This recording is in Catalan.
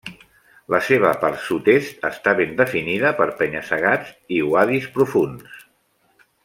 La seva part sud-est està ben definida per penya-segats i uadis profunds.